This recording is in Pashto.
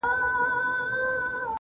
چي واکداران مو د سرونو په زاريو نه سي.